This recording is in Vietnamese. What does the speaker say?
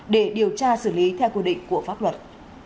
để điều tra xử lý theo quy định của pháp luật